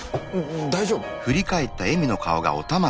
大丈夫？